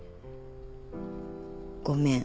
「ごめん。